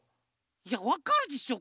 いやわかるでしょ。